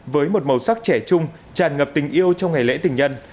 với một màu sắc trẻ trung tràn ngập tình yêu trong ngày lễ tình nhân